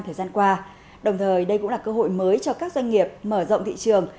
thời gian qua đồng thời đây cũng là cơ hội mới cho các doanh nghiệp mở rộng thị trường